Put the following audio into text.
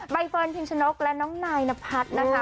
เฟิร์นพิมชนกและน้องนายนพัฒน์นะคะ